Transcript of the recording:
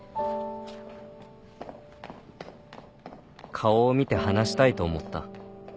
顔を見て話したいと思った